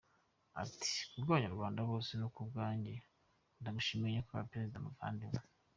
Ati “Ku bw’abanyarwanda bose no ku bwanjye, ndagushimiye Nyakubahwa Perezida muvandimwe.